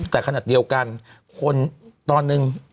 แต่ขนาดเดียวกันคนตอนหนึ่ง